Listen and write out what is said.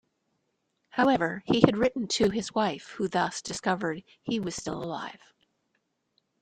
However, he had written to his wife, who thus discovered he was still alive.